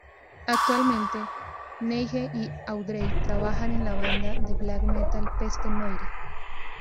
Actualmente, Neige y Audrey trabajan en la banda de Black metal Peste Noire.